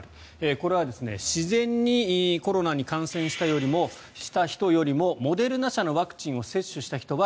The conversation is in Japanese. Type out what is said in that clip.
これは自然にコロナに感染した人よりもモデルナ社のワクチンを接種した人は